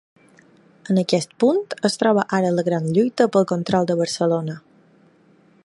En aquest punt es troba ara la gran lluita pel control de Barcelona.